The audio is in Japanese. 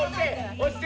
押して！